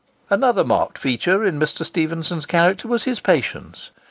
Another marked feature in Mr. Stephenson's character was his patience.